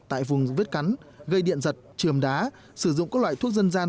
tại vùng vết cắn gây điện giật trường đá sử dụng các loại thuốc dân gian